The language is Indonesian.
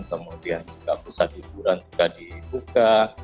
kemudian juga pusat hiburan juga dibuka